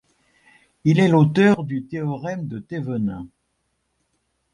Il est l'auteur du théorème de Thévenin.